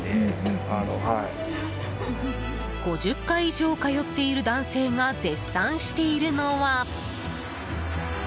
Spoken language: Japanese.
５０回以上通っている男性が絶賛しているのは。